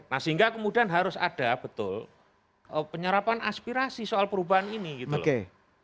nah sehingga kemudian harus ada betul penyerapan aspirasi soal perubahan ini gitu loh